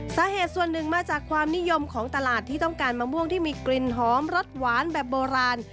สาเหตุส่วนหนึ่งมาจากความนิยมของตลาดที่ต้องการมะม่วงที่มีกลิ่นหอมรสหวานแบบโบราณ